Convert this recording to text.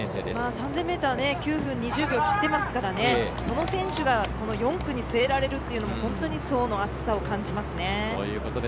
３０００ｍ９分２０秒、切ってますからその選手が４区にすえられるというのも本当に層の厚さを感じますね。